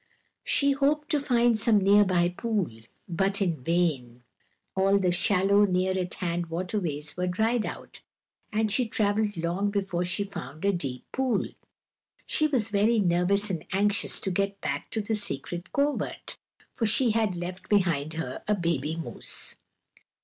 She hoped to find some near by pool, but in vain; all the shallow, near at hand waterways were dried out, and she traveled long before she found a deep pool. She was very nervous and anxious to get back to the secret covert, for she had left behind her a baby moose.